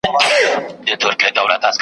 مور او پلار چي زاړه سي تر شکرو لا خواږه سي .